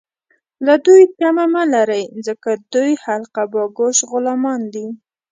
له دوی تمه مه لرئ ، ځکه دوی حلقه باګوش غلامان دي